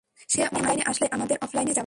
সে অনলাইনে আসলেই আমাদের অফলাইনে যাওয়া।